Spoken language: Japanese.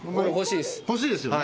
欲しいですよね。